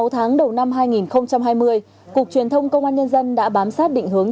sáu tháng đầu năm hai nghìn hai mươi cục truyền thông công an nhân dân đã bám sát định hướng